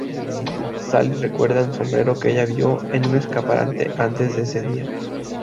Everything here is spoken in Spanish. Sally recuerda un sombrero que ella vio en un escaparate antes ese día.